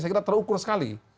saya kira terukur sekali